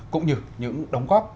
cũng như những đồng góp